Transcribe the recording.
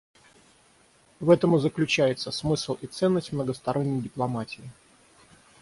В этом и заключается смысл и ценность многосторонней дипломатии.